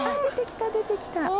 出て来た出て来た。